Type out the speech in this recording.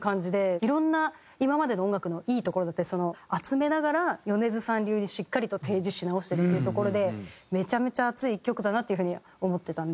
いろんな今までの音楽のいいところだったりを集めながら米津さん流にしっかりと提示し直してるっていうところでめちゃめちゃ熱い１曲だなっていう風に思ってたんで。